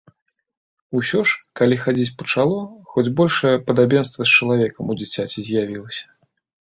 Усё ж, калі хадзіць пачало, хоць большае падабенства з чалавекам у дзіцяці з'явілася.